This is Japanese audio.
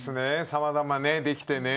さまざまできてね。